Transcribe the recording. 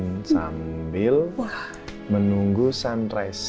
dan sambil menunggu sunrise